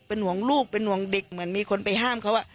เป็นห่วงลูกเป็นห่วงเด็กเหมือนมีคนไปห้ามเขา